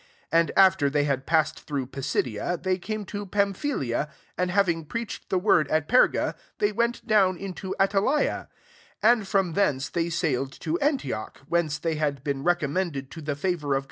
24 And after they had passed through Pisidia, they came to Pamphylia. 25 And having preached the word at Perga,, they went down into Attalia: 26 and from thence they sailed to Antioch, whence they had been recommended to the favour of God for the work which they had fulfilled.